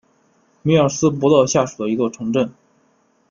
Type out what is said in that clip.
米尔斯伯勒下属的一座城镇。